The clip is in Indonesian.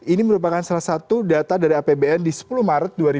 ini merupakan salah satu data dari apbn di sepuluh maret dua ribu dua puluh